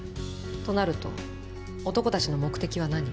となると男たちの目的は何？